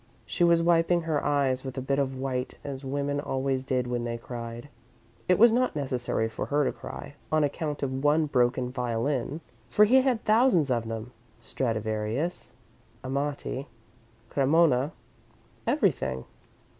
She was wiping her eyes with a bit of white, as women always did when they cried. It was not necessary for her to cry, on account of one broken violin, for he had thousands of them Stradivarius, Amati, Cremona; everything.